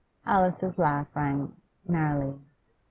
Alice's laugh rang merrily.